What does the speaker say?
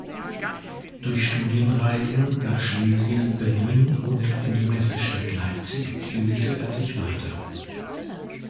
Durch Studienreisen nach Schlesien, Berlin und in die Messestadt Leipzig bildete er sich weiter.